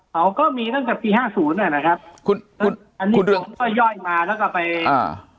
เขาก็มีตั้งแต่ปีห้าศูนย์อ่ะนะครับคุณคุณอันนี้คุณดวงก็ย่อยมาแล้วก็ไปอ่า